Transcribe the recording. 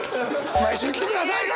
毎週来てください！